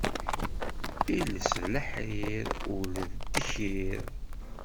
Iles d leḥrir ul d ddkir.